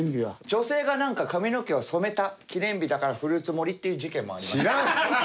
女性がなんか髪の毛を染めた記念日だからフルーツ盛りっていう事件もありました。